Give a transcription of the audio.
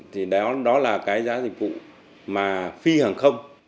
thì đó là cái giá dịch vụ mà phi hàng không